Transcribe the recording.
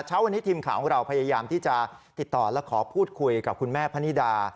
เช้าวันนี้ทีมข่าวของเราพยายามที่จะติดต่อและขอพูดคุยกับคุณแม่พนิดา